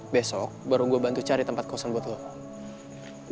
besok baru gue bantu cari tempat kosan buat lo